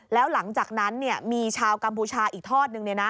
แล้วหลังจากนั้นมีชาวกัมพูชาอีกทอดนึง